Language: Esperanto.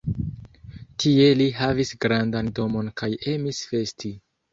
Tie li havis grandan domon kaj emis festi.